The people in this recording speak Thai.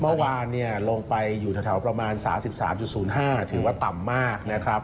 เมื่อวานลงไปอยู่แถวประมาณ๓๓๐๕ถือว่าต่ำมากนะครับ